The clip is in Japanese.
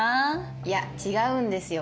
いや違うんですよ。